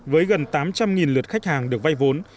với gần tám trăm linh lượt khách hàng được vay vốn